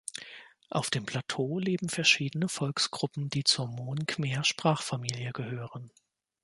Auf dem Plateau leben verschiedene Volksgruppen, die zur Mon-Khmer-Sprachfamilie gehören.